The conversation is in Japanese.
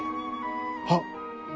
はっ。